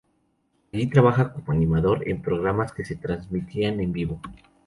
Allí trabaja como animador, en programas que se transmitían en vivo.